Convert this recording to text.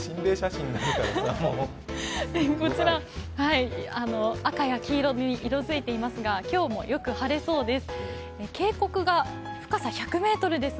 こちら、赤や黄色に色づいていますが今日もよく晴れそうです。